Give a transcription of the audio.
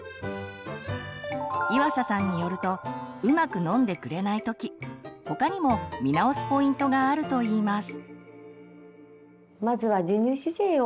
岩佐さんによるとうまく飲んでくれない時他にも見直すポイントがあると言います。